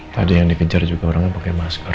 tadi yang dikejar juga orangnya pakai masker